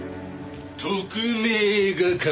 特命係の。